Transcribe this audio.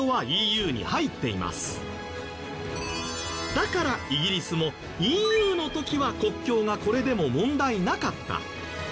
だからイギリスもＥＵの時は国境がこれでも問題なかった。